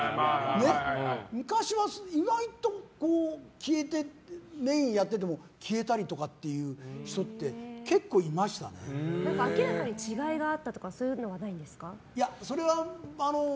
昔は意外とメインやってても消えたりっていう人って明らかに違いがあったとかそういうのはないんですか？